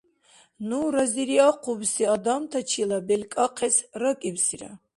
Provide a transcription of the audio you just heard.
Ну разириахъубси адамтачила белкӏахъес ракӏибсира.